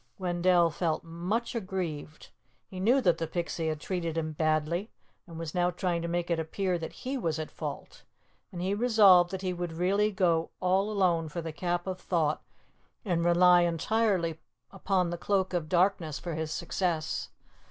Wendell felt much aggrieved. He knew that the Pixie had treated him badly, and was now trying to make it appear that he was at fault, and he resolved that he would really go all alone for the Cap of Thought and rely entirely upon the Cloak of Darkness for his success.